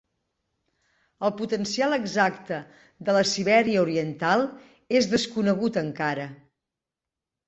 El potencial exacte de la Sibèria Oriental és desconegut encara.